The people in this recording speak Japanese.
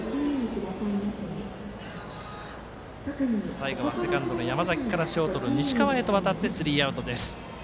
最後はセカンドの山崎からショートの西川へと渡ってスリーアウトです。